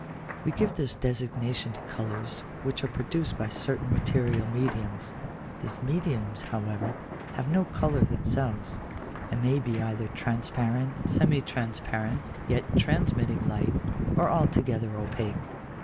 We give this designation to colours which are produced by certain material mediums: these mediums, however, have no colour themselves, and may be either transparent, semi transparent yet transmitting light, or altogether opaque.